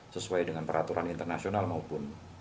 sesuai dengan peraturan internasional maupun